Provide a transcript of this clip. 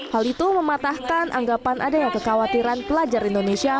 hal itu mematahkan anggapan adanya kekhawatiran pelajar indonesia